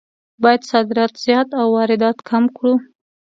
باید صادرات زیات او واردات کم کړو.